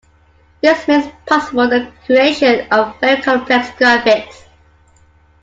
This makes possible the creation of very complex graphics.